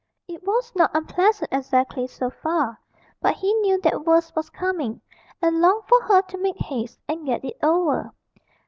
It was not unpleasant exactly, so far, but he knew that worse was coming, and longed for her to make haste and get it over.